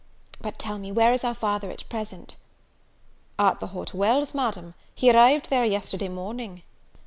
But tell me, where is our father at present?" "At the Hot Wells, Madam; he arrived there yesterday morning."